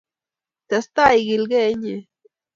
Testai ikilgey inye.